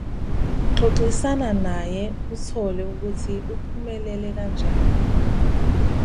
Xoxisana naye uthole ukuthi uphumelele kanjani.